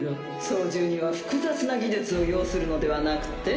操縦には複雑な技術を要するのではなくて？